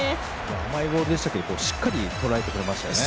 甘いボールでしたけどしっかり捉えてくれましたね。